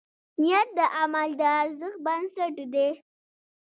نیت د عمل د ارزښت بنسټ دی.